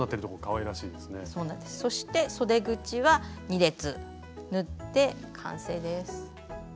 そしてそで口は２列縫って完成です。